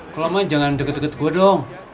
kelomanya jangan deket deket gue dong